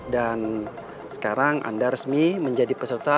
dan sekarang anda resmi menjadi peserta